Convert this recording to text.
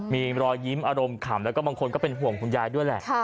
มีรอยยิ้มอารมณ์ขำแล้วก็บางคนก็เป็นห่วงคุณยายด้วยแหละ